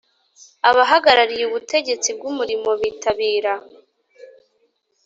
Abahagarariye ubutegetsi bw umurimo bitabira